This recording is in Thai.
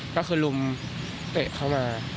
ก็คือลุมเตะเข้ามา